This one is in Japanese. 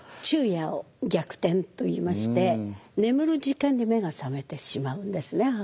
昼夜を逆転といいまして眠る時間に目が覚めてしまうんですね